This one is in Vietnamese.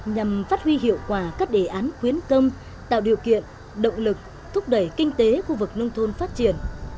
nhằm phát huy hiệu quả các đề án khuyến công tạo điều kiện động lực thúc đẩy kinh tế khu vực nông thôn phát triển